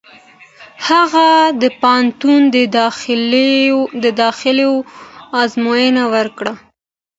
هغه د پوهنتون د داخلېدو ازموینه ورکړه.